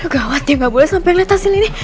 gawat ya gak boleh sampai ngeliat hasil ini